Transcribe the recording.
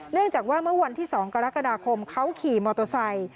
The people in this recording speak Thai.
เนื่องจากว่าเมื่อวันที่๒กรกฎาคมเขาขี่มอเตอร์ไซค์